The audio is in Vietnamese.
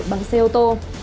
bằng xe ô tô